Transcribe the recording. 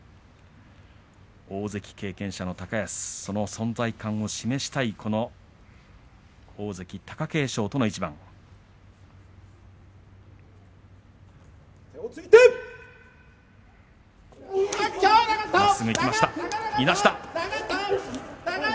大関経験者の高安存在感を示したい大関貴景勝との一番です。